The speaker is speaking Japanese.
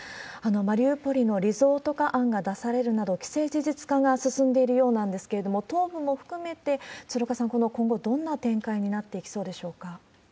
マリウポリのリゾート化案が出されるなど、既成事実化が進んでいるようなんですけれども、東部も含めて、鶴岡さん、今後どんな展開になっていきそうでしょうか。